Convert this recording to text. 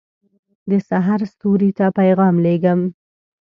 دسحرستوري ته پیغام لېږم